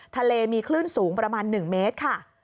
ทะเลมีคลื่นสูงประมาณ๑เมตรค่ะ